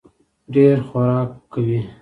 ډېر خورک کوي.